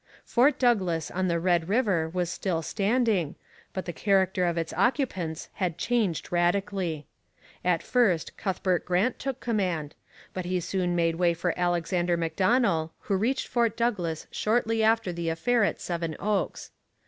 Fort Douglas on the Red River was still standing, but the character of its occupants had changed radically. At first Cuthbert Grant took command, but he soon made way for Alexander Macdonell, who reached Fort Douglas shortly after the affair at Seven Oaks.